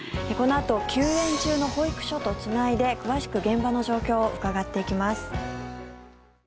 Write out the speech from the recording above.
このあと休園中の保育所とつないで詳しく現場の状況を伺っていきます。